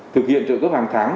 thực hiện trợ cấp hàng tháng